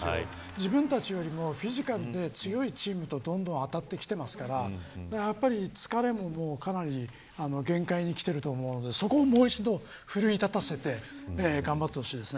自分たちよりもフィジカルで強いチームと、どんどん当たってきていますから疲れもかなり限界にきていると思うんでそこをもう一度奮い立たせて頑張ってほしいです。